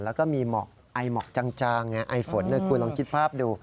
และมีรายไหม้จางไฟฝนคุณลองคิดภาพดู